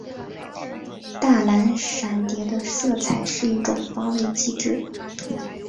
大蓝闪蝶的色彩是一种防卫机制。